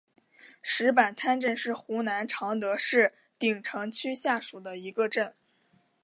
石板滩镇是湖南常德市鼎城区下属的一个镇。